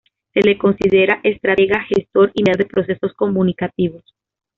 Se le considera estratega, gestor, y mediador de procesos comunicativos.